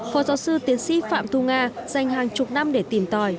phó giáo sư tiến sĩ phạm thu nga dành hàng chục năm để tìm tòi